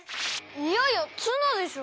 いやいやツナでしょ！？